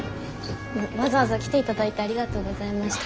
わざわざ来ていただいてありがとうございました。